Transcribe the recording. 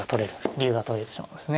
竜が取れてしまうんですね。